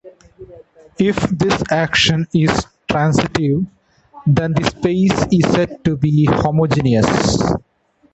If this action is transitive, then the space is said to be homogeneous.